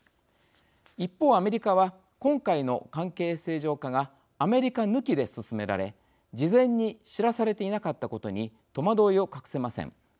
一方、アメリカは今回の関係正常化がアメリカ抜きで進められ事前に知らされていなかったことに戸惑いを隠せません。